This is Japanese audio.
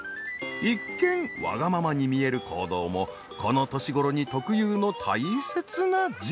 一見わがままに見える行動もこの年頃に特有の大切な自我の芽生え。